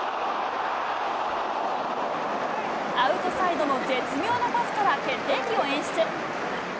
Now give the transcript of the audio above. アウトサイドの絶妙なパスから決定機を演出。